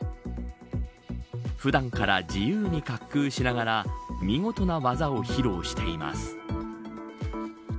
普段から自由に滑空しながら見事な技を披露しています。